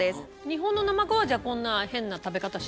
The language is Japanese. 日本のナマコはじゃあこんな変な食べ方しない？